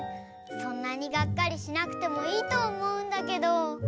そんなにがっかりしなくてもいいとおもうんだけど。